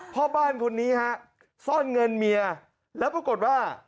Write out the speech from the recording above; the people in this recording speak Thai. พ่อบ้านคนนี้ฮะซ่อนเงินเมียแล้วปรากฏว่า